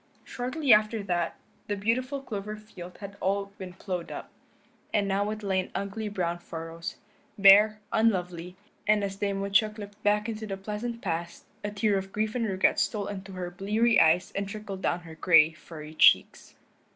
Shortly after that the beautiful clover field had all been plowed up, and now it lay in ugly brown furrows, bare, unlovely, and as Dame Woodchuck looked back into the pleasant past a tear of grief and regret stole into her bleary eyes and trickled down her gray, furry cheeks.